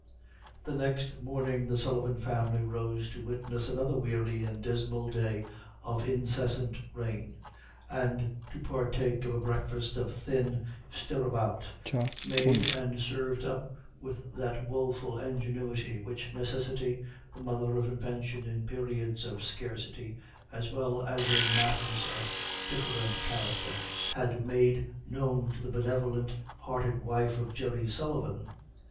The next morning the Sullivan family rose to witness another weary and dismal day of incessant rain, and to partake of a breakfast of thin stirabout, made and served up with that woful ingenuity, which necessity, the mother of invention in periods of scarcity, as well as in matters of a different character, had made known to the benevolent hearted wife of Jerry Sullivan.